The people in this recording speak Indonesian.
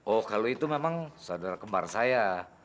oh kalau itu memang saudara kembar saya